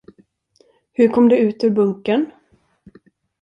Hur kom du ut ur bunkern?